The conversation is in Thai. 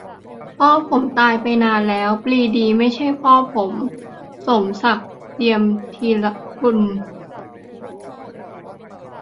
"พ่อผมตายไปนานแล้ว ปรีดีไม่ใช่พ่อผม" - สมศักดิ์ เจียมธีรสกุล